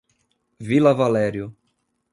Vila Valério